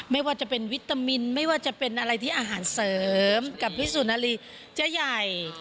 ไม่ว่าจะเป็นวิตามินไม่ว่าจะเป็นอะไรที่อาหารเสริมกับพี่สุนารีจะใหญ่